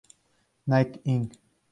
Nike Inc.